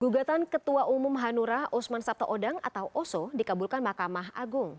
gugatan ketua umum hanura osman sabta odang atau oso dikabulkan mahkamah agung